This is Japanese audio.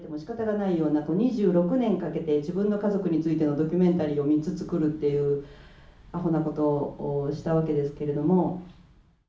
２６年かけて自分の家族についてのドキュメンタリーを３つ作るっていうアホなことをしたわけですけれども。